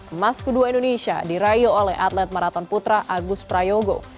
emas kedua indonesia dirayu oleh atlet maraton putra agus prayogo